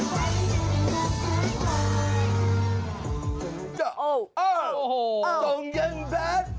สุกยังบันแซกยังไวมันจะไหวอย่างนั้นคล้าย